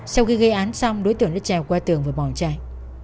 sau khi gây án xong đối tượng đã trèo qua tường và bỏ chạy